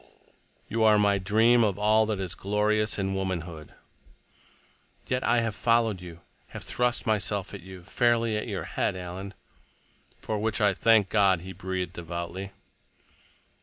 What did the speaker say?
"You are my dream of all that is glorious in womanhood." "Yet I have followed you—have thrust myself at you, fairly at your head, Alan." "For which I thank God," He breathed devoutly.